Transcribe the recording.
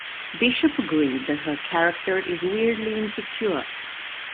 Bishop agreed that her character is "weirdly insecure".